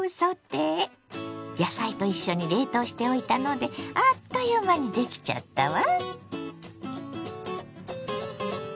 野菜と一緒に冷凍しておいたのであっという間にできちゃったわ。